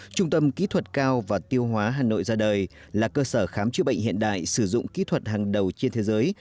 trung tâm kỹ thuật cao và tiêu hóa hà nội ra đời là cơ sở khám chữa bệnh hiện đại sử dụng kỹ thuật hàng đầu trên thế giới